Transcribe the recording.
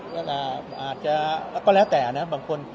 ก็อาจจะก็แล้วแต่นะบางคน